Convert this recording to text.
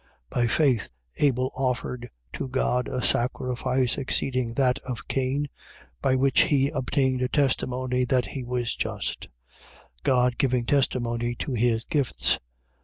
11:4. By faith Abel offered to God a sacrifice exceeding that of Cain, by which he obtained a testimony that he was just, God giving testimony to his gifts.